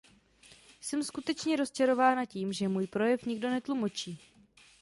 Jsem skutečně rozčarována tím, že můj projev nikdo netlumočí.